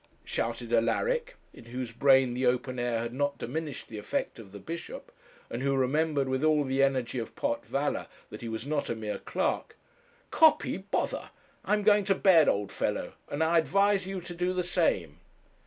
shouted Alaric, in whose brain the open air had not diminished the effect of the bishop, and who remembered, with all the energy of pot valour, that he was not a mere clerk; 'copy bother; I'm going to bed, old fellow; and I advise you to do the same.'